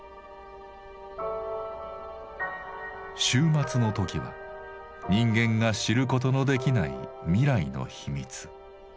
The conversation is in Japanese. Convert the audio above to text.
終末の時は人間が知ることのできない未来の秘密。